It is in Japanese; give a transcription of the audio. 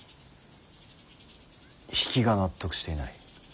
比企が納得していない。